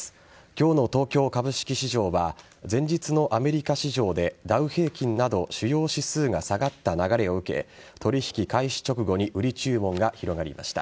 今日の東京株式市場は前日のアメリカ市場でダウ平均など主要指数が下がった流れを受け取引開始直後に売り注文が広がりました。